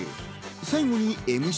最後にＭＣ